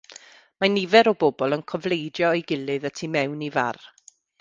Mae nifer o bobl yn cofleidio ei gilydd y tu mewn i far